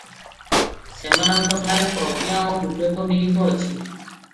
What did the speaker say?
ସେମାନଙ୍କଠାରେ ପ୍ରଜ୍ଞା ଓ ବିବେକ ନିହିତ ଅଛି ।